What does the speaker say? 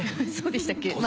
そうでしたっけ？